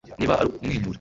niba ari ukumwenyura